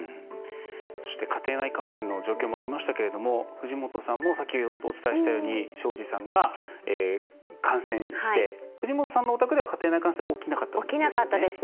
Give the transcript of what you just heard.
そして、家庭内感染の状況もありましたけど藤本さんも先ほどお伝えしたように庄司さんが感染して藤本さんのお宅では家庭内感染は起きなかったんですね。